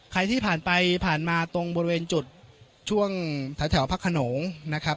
ใครที่ผ่านไปผ่านมาตรงบริเวณจุดช่วงแถวพระขนงนะครับ